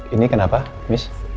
ini kenapa miss